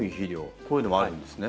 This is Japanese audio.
こういうのもあるんですね。